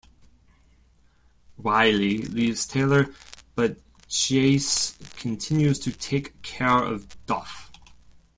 Wylie leaves Taylor, but Jase continues to take care of Duff.